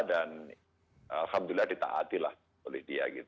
dan alhamdulillah ditaatilah oleh dia